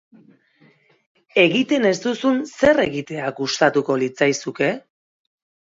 Egiten ez duzun zer egitea gustatuko litzaizuke?